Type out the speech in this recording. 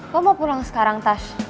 lo mau pulang sekarang tas